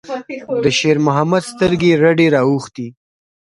د شېرمحمد سترګې رډې راوختې.